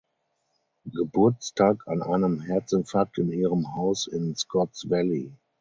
Geburtstag an einem Herzinfarkt in ihrem Haus in Scotts Valley.